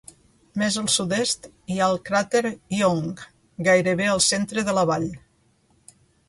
Més al sud-est hi ha el cràter Young, gairebé al centre de la vall.